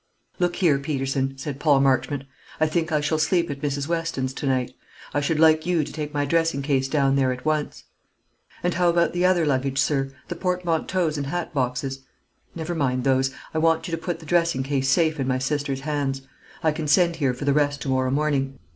"Look here, Peterson," said Paul Marchmont; "I think I shall sleep at Mrs. Weston's to night. I should like you to take my dressing case down there at once." "And how about the other luggage, sir, the portmanteaus and hat boxes?" "Never mind those. I want you to put the dressing case safe in my sister's hands. I can send here for the rest to morrow morning.